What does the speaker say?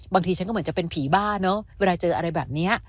บางทีฉันก็เหมือนจะเป็นผีบ้าเนอะเวลาเจออะไรแบบนี้